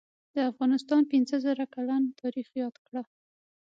دافغانستان پنځه زره کلن تاریخ یاد کړه